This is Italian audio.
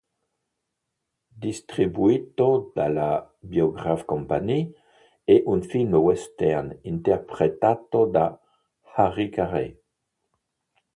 Distribuito dalla Biograph Company, è un film western interpretato da Harry Carey.